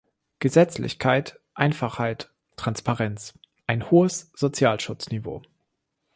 Gesetzlichkeit, Einfachheit, Transparenz, eine hohes Sozialschutzniveau.